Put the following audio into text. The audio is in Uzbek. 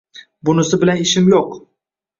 – Bunisi bilan ishim yo‘q